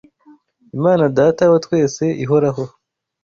Imana Data wa twese ihoraho